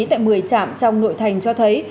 tại một mươi trạm trong nội thành cho thấy